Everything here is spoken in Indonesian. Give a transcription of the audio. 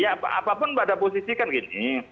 ya apapun pada posisi kan gini